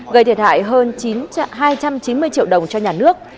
gây thiệt hại hơn hai trăm chín mươi triệu đồng cho nhà nước